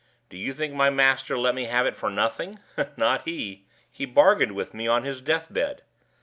Do you think my master let me have it for nothing? Not he! He bargained with me on his deathbed.